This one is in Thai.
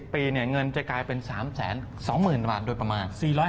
ปีเงินจะกลายเป็น๓๒๐๐๐บาทโดยประมาณ